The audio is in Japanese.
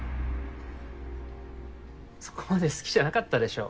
そこまで好きじゃなかったでしょ